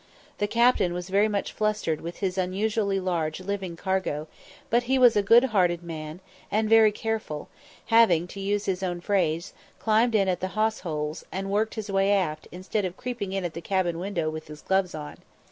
The captain was very much flustered with his unusually large living cargo, but he was a good hearted man, and very careful, having, to use his own phrase, "climbed in at the hawse holes, and worked his way aft, instead of creeping in at the cabin window with his gloves on."